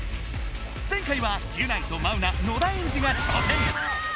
前回はギュナイとマウナ野田エンジが挑戦！